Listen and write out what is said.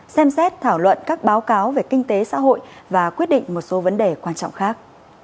xem xét thảo luận các báo cáo về kinh tế xã hội và quyết định một số vấn đề quan trọng khác